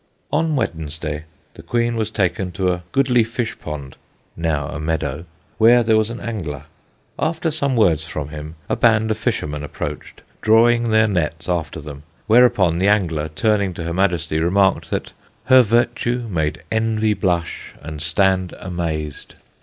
On Wednesday, the Queen was taken to a goodlie fish pond (now a meadow) where was an angler. After some words from him a band of fishermen approached, drawing their nets after them; whereupon the angler, turning to her Majesty, remarked that her virtue made envy blush and stand amazed.